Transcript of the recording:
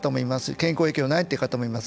健康影響がないという方もいます。